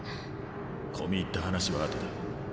込み入った話はあとだ。